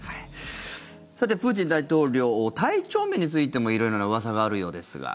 さて、プーチン大統領体調面についても色々なうわさがあるようですが。